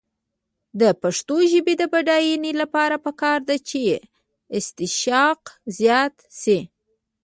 د پښتو ژبې د بډاینې لپاره پکار ده چې اشتقاق زیات شي.